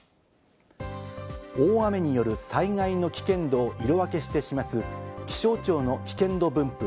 大雨による災害の危険度を色分けして示す気象庁の危険度分布